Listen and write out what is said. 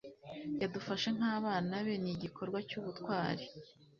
yadufashe nk'abana be, ni igikorwa cy'ubutwari